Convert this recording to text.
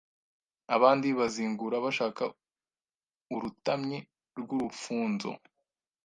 Abandi bazingura bashaka urutamyi rw’urufunzo